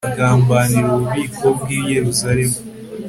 agambanira ububiko bw'i yeruzalemu